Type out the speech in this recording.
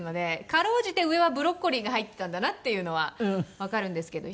かろうじて上はブロッコリーが入っていたんだなっていうのはわかるんですけど。